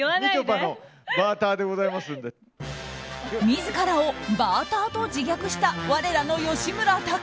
自らをバーターと自虐した我らの吉村崇。